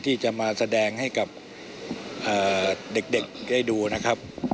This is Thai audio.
ที่จะมาแสดงให้กับเด็กได้ดูนะครับ